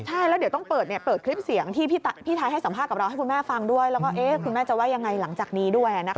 ใช่แล้วเดี๋ยวต้องเปิดคลิปเสียงที่พี่ไทยให้สัมภาษณ์กับเราให้คุณแม่ฟังด้วยแล้วก็คุณแม่จะว่ายังไงหลังจากนี้ด้วย